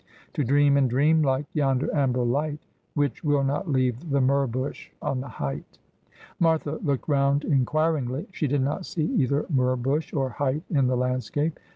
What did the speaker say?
To dream and dream, like yonder amber light, Which will not leave the myrrh bush on the height." ' Martha looked round inquiringly. She did not see either myrrh bush or height in the landscape.